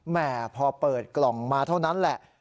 แม่พอเปิดกล่องมาเท่านั้นแหละ